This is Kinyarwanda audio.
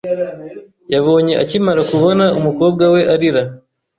Yabonye akimara kubona umukobwa we arira.